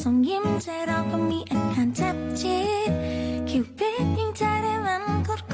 นี่ฉันดูตอนแรกนึกว่าเคี้ยวหมักฟ้าล่าง